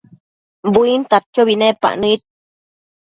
buintadquiobi nepac nëid